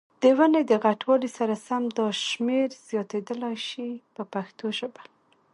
د ونې د غټوالي سره سم دا شمېر زیاتېدلای شي په پښتو ژبه.